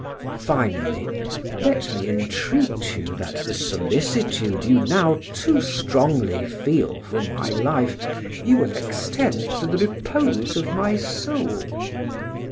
Finally, let me entreat you that the solicitude you now too strongly feel for my life you will extend to the repose of my soul.